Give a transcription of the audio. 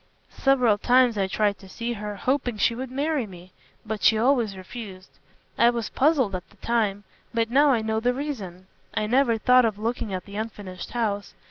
Several times I tried to see her, hoping she would marry me. But she always refused. I was puzzled at the time, but now I know the reason. I never thought of looking at the unfinished house.